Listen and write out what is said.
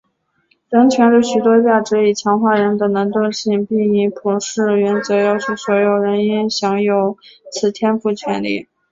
人权的许多价值以强化人的能动性并以普世原则要求所有人应享有此天赋权利。